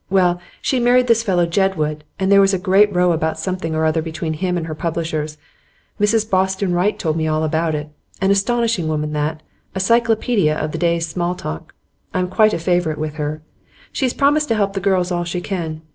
Well, she married this fellow Jedwood, and there was a great row about something or other between him and her publishers. Mrs Boston Wright told me all about it. An astonishing woman that; a cyclopaedia of the day's small talk. I'm quite a favourite with her; she's promised to help the girls all she can.